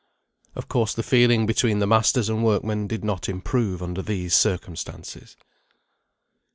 Of course the feeling between the masters and workmen did not improve under these circumstances.